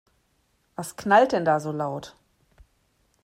Was knallt denn da so laut?